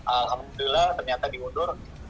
alhamdulillah ternyata diundur